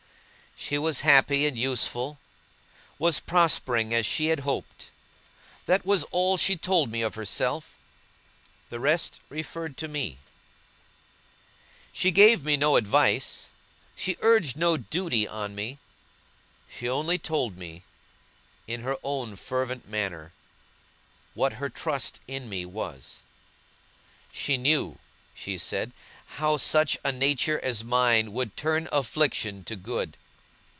She was happy and useful, was prospering as she had hoped. That was all she told me of herself. The rest referred to me. She gave me no advice; she urged no duty on me; she only told me, in her own fervent manner, what her trust in me was. She knew (she said) how such a nature as mine would turn affliction to good.